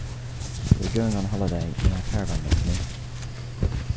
We're going on holiday in our caravan next month